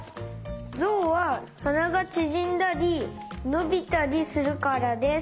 ゾウははながちぢんだりのびたりするからです。